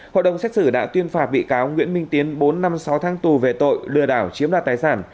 hội đồng xét xử đã tuyên phạt bị cáo nguyễn minh tiến bốn năm sáu tháng tù về tội lừa đảo chiếm đoạt tài sản